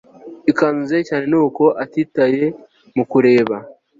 ikanzu nziza cyaneeeee nuko atitaye mukureba